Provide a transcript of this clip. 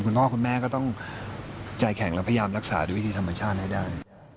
คุณพ่อคุณแม่ก็ต้องใจแข็งแล้วพยายามรักษาด้วยวิธีธรรมชาติให้ได้